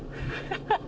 ハハハ！